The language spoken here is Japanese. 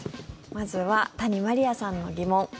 まずは谷まりあさんの疑問。